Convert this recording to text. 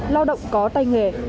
lao động có tay nghề